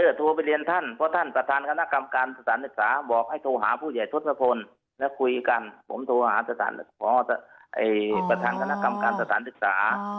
เออโทรไปเรียนท่านเพราะท่านประธานคณะกรรมการสถานศึกษาบอกให้โทรหาผู้ใหญ่ทศพลแล้วคุยกันผมโทรหาประธานคณะกรรมการสถานศึกษา